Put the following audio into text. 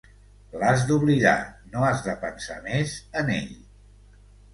L'has d'oblidar, no has de pensar més en ell.